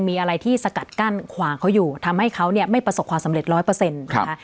มีอะไรที่สกัดกั้นขวางเขาอยู่ทำให้เขาเนี่ยไม่ประสบความสำเร็จร้อยเปอร์เซ็นต์นะคะ